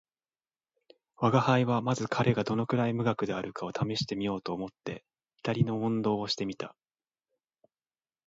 吾輩はまず彼がどのくらい無学であるかを試してみようと思って左の問答をして見た